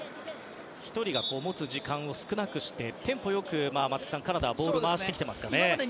１人が持つ時間を少なくしてテンポ良くカナダはボールを回してきてますかね、松木さん。